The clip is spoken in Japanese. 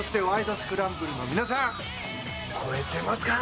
スクランブル」の皆さん、超えてますか？